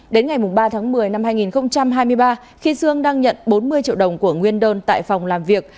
đến ngày ba tháng một mươi năm hai nghìn hai mươi ba khi sương đang nhận bốn mươi triệu đồng của nguyên đơn tại phòng làm việc